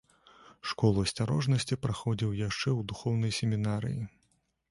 Школу асцярожнасці праходзіў яшчэ ў духоўнай семінарыі.